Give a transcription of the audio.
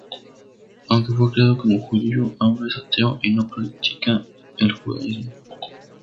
Aunque fue criado como judío, ahora es ateo y no practica el judaísmo.